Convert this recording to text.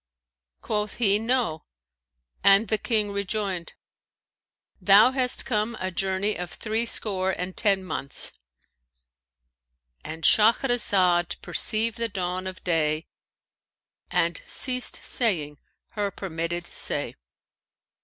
Quoth he, 'No,' and the King rejoined, 'Thou hast come a journey of threescore and ten months.'"—And Shahrazad perceived the dawn of day and ceased saying her permitted say.